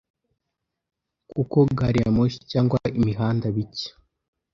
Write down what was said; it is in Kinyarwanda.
kuko gari ya moshi cyangwa imihanda bike